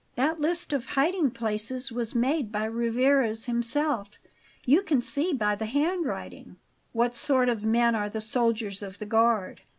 That list of hiding places was made by Rivarez himself; you can see by the handwriting." "What sort of men are the soldiers of the guard?"